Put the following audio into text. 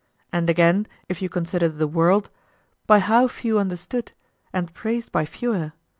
And again, if you consider the world, by how few understood, and praised by fewer!